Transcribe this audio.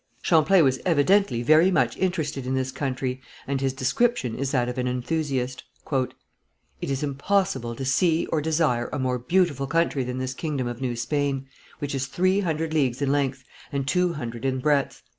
Champlain was evidently very much interested in this country, and his description is that of an enthusiast: "It is impossible to see or desire a more beautiful country than this kingdom of New Spain, which is three hundred leagues in length, and two hundred in breadth....